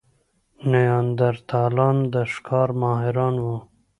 نیاندرتالان د ښکار ماهران وو.